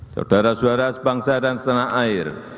saudara saudara sebangsa dan setanah air